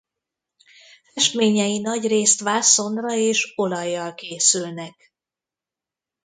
Festményei nagyrészt vászonra és olajjal készülnek.